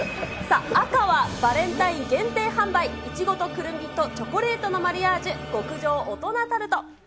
さあ、赤はバレンタイン限定販売、いちごとクルミとチョコレートのマリアージュ極上大人タルト。